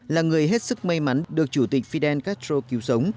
là người hết sức may mắn được chủ tịch fidel castro cứu sống